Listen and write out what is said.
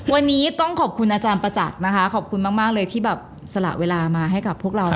วันนี้ต้องขอบคุณอาจารย์ประจักษ์นะคะขอบคุณมากเลยที่แบบสละเวลามาให้กับพวกเรา